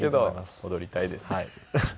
踊りたいです。